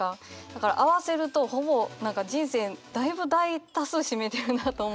だから合わせるとほぼ人生だいぶ大多数占めてるなと思って。